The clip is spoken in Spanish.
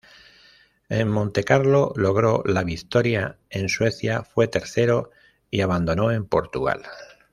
En Montecarlo logró la victoria, en Suecia fue tercero y abandonó en Portugal.